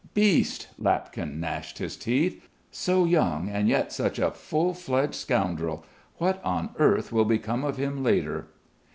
"Beast!" Lapkin gnashed his teeth. "So young and yet such a full fledged scoundrel. What on earth will become of him later!"